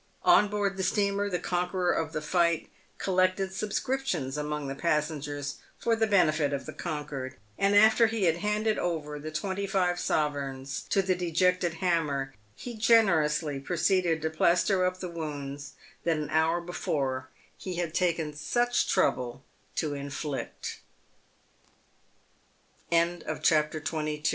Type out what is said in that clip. On board the steamer, the conqueror of the fight collected subscriptions among the passengers for the benefit of the conquered, and after he had handed over the twenty five sovereigns to the dejected Hammer, he gene rously proceeded to plaister up the wounds that an hour before he had taken such trouble